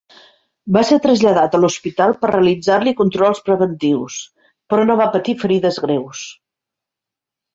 Va ser traslladat a l'hospital per realitzar-li controls preventius, però no va patir ferides greus.